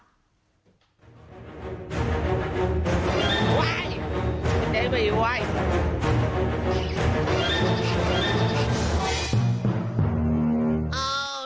มันเดินไปอีกว้าย